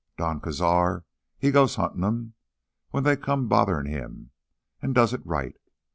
"Don Cazar—he goes huntin' 'em when they've come botherin' him an' does it right.